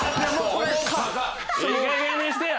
いいかげんにしてよ。